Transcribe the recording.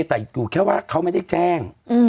แต่อยู่แค่ว่าเขาไม่ได้แจ้ง